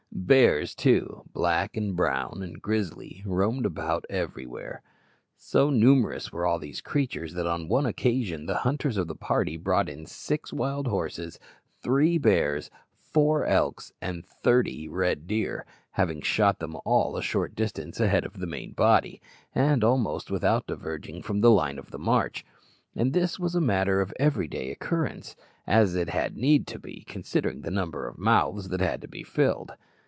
Bears, too, black, and brown, and grizzly, roamed about everywhere. So numerous were all these creatures that on one occasion the hunters of the party brought in six wild horses, three bears, four elks, and thirty red deer; having shot them all a short distance ahead of the main body, and almost without diverging from the line of march. And this was a matter of everyday occurrence as it had need to be, considering the number of mouths that had to be filled.